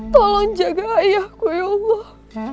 tolong jaga ayahku ya allah